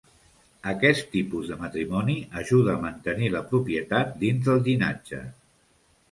Aquest tipus de matrimoni ajuda a mantenir la propietat dins del llinatge.